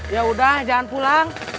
yaudah jangan pulang